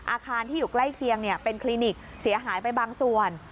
อาคารที่อยู่ใกล้เคียงเป็นคลินิกเสียหายไปบางส่วน